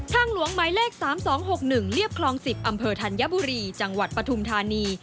หลวงหมายเลข๓๒๖๑เรียบคลอง๑๐อำเภอธัญบุรีจังหวัดปฐุมธานี